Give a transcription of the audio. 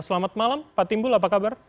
selamat malam pak timbul apa kabar